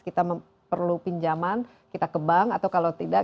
kita perlu pinjaman kita ke bank atau kalau tidak